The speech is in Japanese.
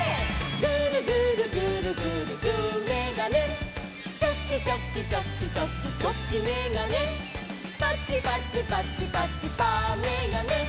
「グルグルグルグルグーめがね」「チョキチョキチョキチョキチョキめがね」「パチパチパチパチパーめがね」